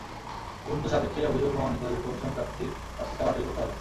তদন্ত সাপেক্ষে অভিযোগ প্রমাণিত হলে কমিশন প্রার্থীর প্রার্থিতা বাতিল করতে পারবে।